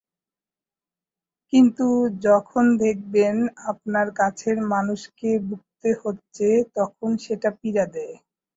কিন্তু যখন দেখবেন আপনার কাছের মানুষকে ভুগতে হচ্ছে, তখন সেটা পীড়া দেয়।